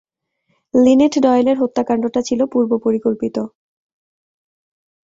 Linate ডয়েলের হত্যাকান্ডটা ছিল পুর্বপরিকল্পিত।